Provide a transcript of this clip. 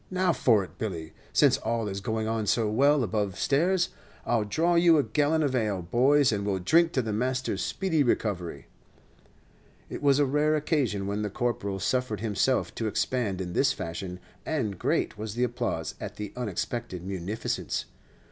Now for it, Billy. Since all is going on so well above stairs, I'll draw you a gallon of ale, boys, and we 'll drink to the master's speedy recovery." It was a rare occasion when the Corporal suffered himself to expand in this fashion, and great was the applause at the unexpected munificence.